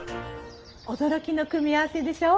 驚きの組み合わせでしょう？